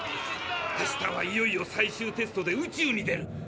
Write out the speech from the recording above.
あしたはいよいよ最終テストで宇宙に出る。